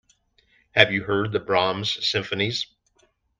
Have you heard the Brahms symphonies?